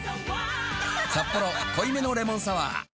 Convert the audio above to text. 「サッポロ濃いめのレモンサワー」